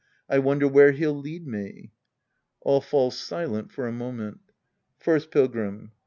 I wonder where he'll lead me. {All fall silent for a moment^ First Pilgrim.